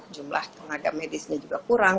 jumlah tenaga medisnya juga kurang